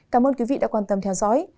cảm ơn quý vị đã quan tâm theo dõi